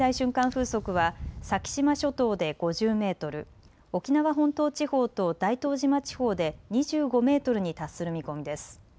風速は先島諸島で５０メートル、沖縄本島地方と大東島地方で２５メートルに達する見込みです。